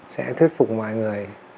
sẽ thuyết phục mọi người